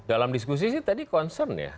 dalam diskusi sih tadi concern ya